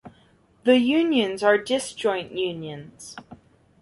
The unions are disjoint unions.